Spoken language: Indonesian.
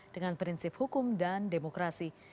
dengan prinsip hukum dan demokrasi